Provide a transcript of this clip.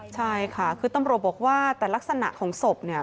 ใช่ค่ะคือตำรวจบอกว่าแต่ลักษณะของศพเนี่ย